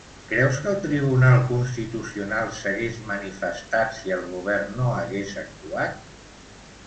Creu que el Tribunal Constitucional s'hagués manifestat si el govern no hagués actuat?